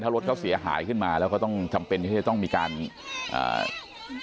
รถเขาเสียหายขึ้นมาแล้วก็ต้องจำเป็นที่จะต้องมีการอ่า